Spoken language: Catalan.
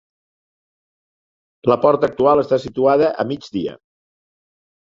La porta actual està situada a migdia.